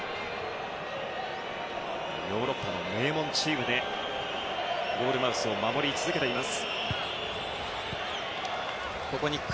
ヨーロッパの名門チームでゴールマウスを守り続けている。